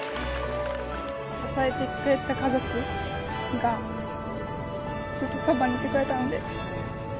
支えてくれてた家族がずっとそばにいてくれたので。